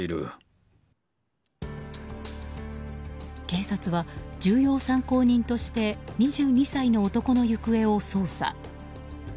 警察は重要参考人として２２歳の男の行方を捜査。